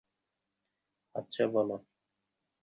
তুই আবার কে, বাঞ্চোত?